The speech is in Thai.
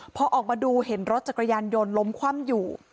พอออกมาดูเห็นรถจักรยานยนต์ล้มคว่ำอยู่